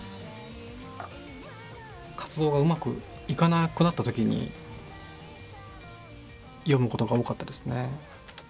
活動がうまくいかなくなった時に読むことが多かったですね。